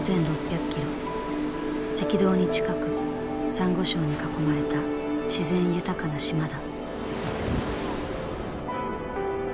赤道に近くサンゴ礁に囲まれた自然豊かな島だ。